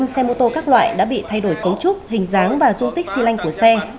một trăm linh xe mô tô các loại đã bị thay đổi cấu trúc hình dáng và dung tích xy lanh của xe